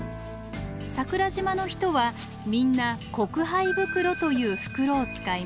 桜島の人はみんな「克灰袋」という袋を使います。